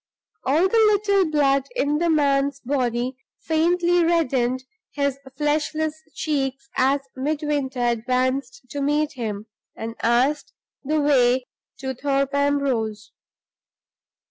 All the little blood in the man's body faintly reddened his fleshless cheeks as Midwinter advanced to meet him, and asked the way to Thorpe Ambrose.